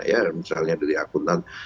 ya misalnya dari akuntan